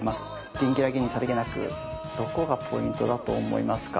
「ギンギラギンにさりげなく」どこがポイントだと思いますか？